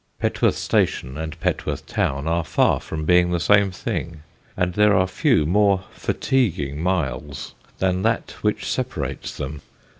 Petworth station and Petworth town are far from being the same thing, and there are few more fatiguing miles than that which separates them.